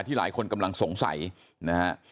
หลายคนกำลังสงสัยนะฮะ